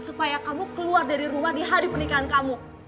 supaya kamu keluar dari rumah di hari pernikahan kamu